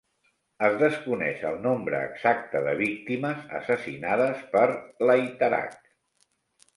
Es desconeix el nombre exacte de víctimes assassinades per l'Aitarak.